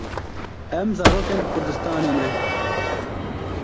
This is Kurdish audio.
Em zarokên kurdistanê ne.